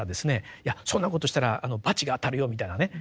いやそんなことしたら罰が当たるよみたいなね